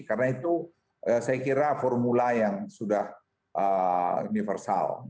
karena itu saya kira formula yang sudah universal